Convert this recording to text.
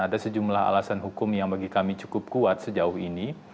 ada sejumlah alasan hukum yang bagi kami cukup kuat sejauh ini